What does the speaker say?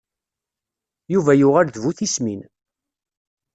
Yuba yuɣal d bu tismin.